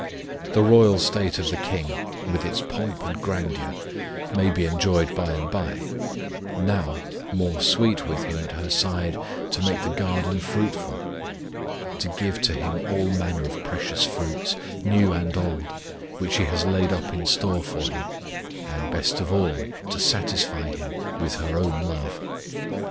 The royal state of the King, with its pomp and grandeur, may be enjoyed by and by: now, more sweet with Him at her side to make the garden fruitful; to give to Him all manner of precious fruits, new and old, which she has laid up in store for Him; and best of all to satisfy Him with her own love.